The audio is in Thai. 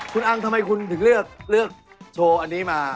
คุณอังทำไมคุณถึงเลือกโชว์อันนี้มา